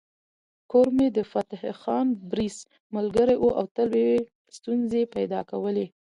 کرمي د فتح خان بړيڅ ملګری و او تل یې ستونزې پيدا کولې